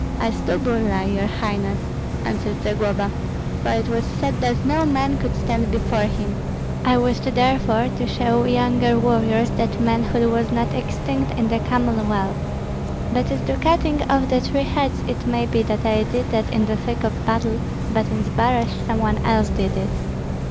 "I slew Burlai, your highness," answered Zagloba, "for it was said that no man could stand before him. I wished therefore to show younger warriors that manhood was not extinct in the Commonwealth. But as to cutting off the three heads, it may be that I did that in the thick of battle; but in Zbaraj some one else did it."